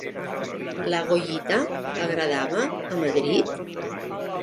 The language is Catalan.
La Goyita agradava a Madrid?